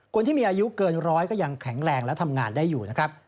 คนที่มีอายุเกินร้อยก็ยังแข็งแรงและทำงานได้อยู่นะครับ